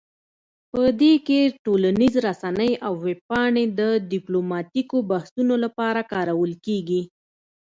په دې کې ټولنیز رسنۍ او ویب پاڼې د ډیپلوماتیکو بحثونو لپاره کارول کیږي